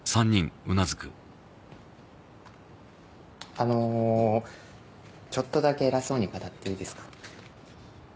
あのちょっとだけ偉そうに語っていいですか？